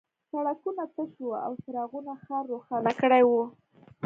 سړکونه تش وو او څراغونو ښار روښانه کړی و